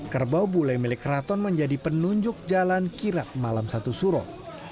kerbau bule milik keraton menjadi penunjuk jalan kirap malam satu suro